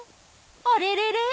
あれれれ！